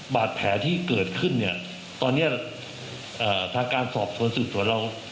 บาดแผลที่เกิดขึ้นเนี่ยตอนนี้ทางการสอบสวนสืบสวนเรา